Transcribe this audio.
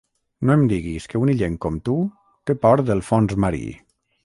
No em diguis que un illenc com tu té por del fons marí.